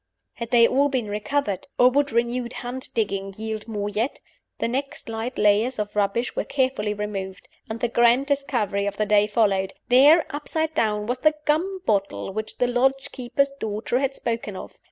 Had they all been recovered? or would renewed hand digging yield more yet? The next light layers of rubbish were carefully removed and the grand discovery of the day followed. There (upside down) was the gum bottle which the lodge keeper's daughter had spoken of.